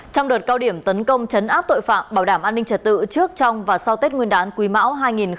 trong đợt cao điểm tấn công chấn áp tội phạm bảo đảm an ninh trật tự trước trong và sau tết nguyên đán quý mão hai nghìn hai mươi